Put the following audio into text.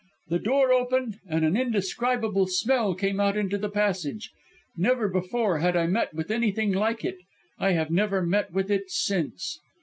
The door opened, and an indescribable smell came out into the passage. Never before had I met with anything like it; I have never met with it since."